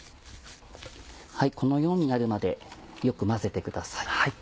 このようになるまでよく混ぜてください。